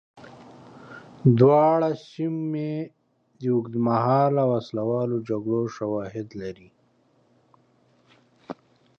دواړو سیمو د اوږدمهاله وسله والو جګړو شواهد لري.